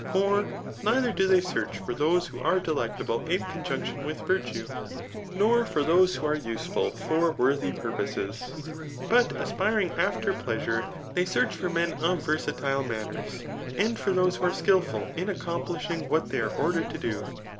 For ndther do they search for those who are delectable in conjunction with virtue, nor for those who are useful for worthy purposes ; but aspiring after pleasure, they search Digitized by Google 302 THB NICQMACHfiAN BOOK VIII. fi3r men of venatdle maaners^ and for those who are dalful in accomplishing what they are ordered to do.